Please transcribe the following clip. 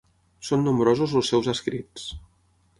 Són nombrosos els seus escrits.